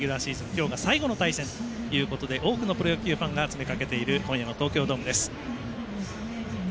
今日が最後の対戦ということで多くのプロ野球ファンが詰めかけている今夜の東京ドームです。